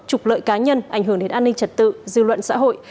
trục lợi cá nhân ảnh hưởng đến an ninh trật tự dư luận xã hội